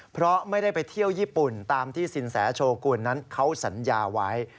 เพราะไม่ได้ไปเที่ยวญี่ปุ่นตามที่สินแสโชกุลนั้นเขาสัญญาไว้